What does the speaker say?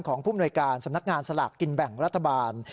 ของภูมิหน่วยการสำนักงานสลักกินแบ่งรัฐบาล